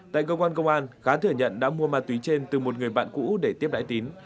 tại cơ quan công an khá thừa nhận đã mua ma túy trên từ một người bạn cũ để tiếp đại tín